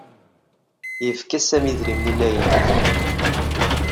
Yefka Sami idrimen i Layla.